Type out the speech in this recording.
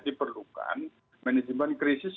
diperlukan manajemen krisis